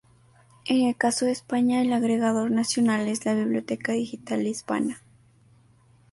En el caso de España, el agregador nacional es la biblioteca digital Hispana.